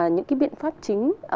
những cái biện pháp chính